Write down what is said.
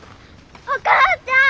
お母ちゃん！